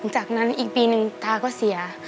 จากนั้นอีกปีนึงตาก็เสีย